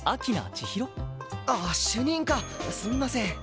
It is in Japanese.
あっ主任かすみません。